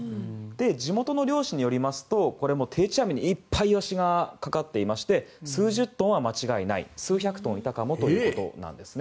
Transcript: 地元の漁師によりますと定置網にいっぱいイワシがかかっていて数十トンは間違いない数百トンいたかもということなんです。